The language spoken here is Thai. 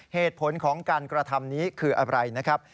เหตุผลของการกระทำนี้คืออะไรนะครับ